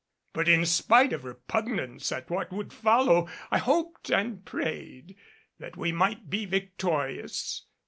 But in spite of repugnance at what would follow I hoped and prayed that we might be victorious.